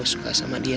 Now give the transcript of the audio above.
lu seperti suami